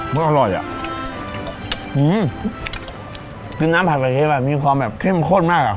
ก็อร่อยอ่ะอื้อน้ำผัดไข่เค็มแบบมีความแบบเค็มโคตรมากอ่ะ